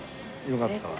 よかったら。